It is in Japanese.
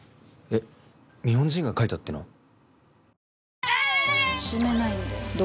えっ日本人が書いたっていうの？